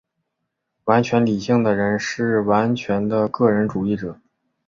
完全理性的人是完全的个人主义者。